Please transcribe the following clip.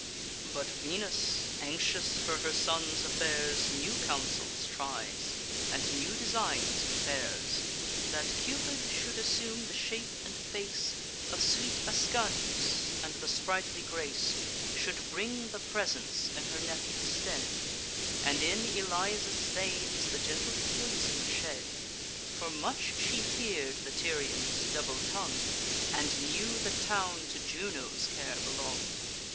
But Venus, anxious for her son's affairs, New counsels tries, and new designs prepares: That Cupid should assume the shape and face Of sweet Ascanius, and the sprightly grace; Should bring the presents, in her nephew's stead, And in Eliza's veins the gentle poison shed: For much she fear'd the Tyrians, double tongued, And knew the town to Juno's care belong'd.